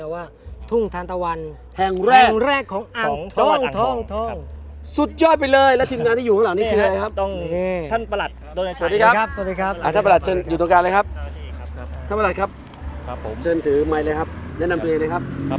วันที่อ่าทองได้เลยเค้าก็เห็นปั้ายโชว์อยู่แล้วว่า